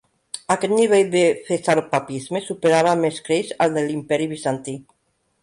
Aquest nivell de cesaropapisme superava amb escreix al de l'Imperi Bizantí.